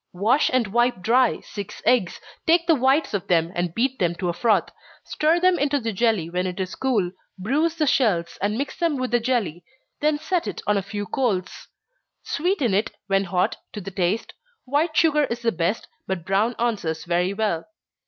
Wash and wipe dry six eggs take the whites of them, and beat them to a froth stir them into the jelly when it is cool bruise the shells, and mix them with the jelly, then set it on a few coals. Sweeten it, when hot, to the taste white sugar is the best, but brown answers very well.